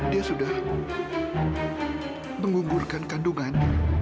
dia sudah menggugurkan kandungan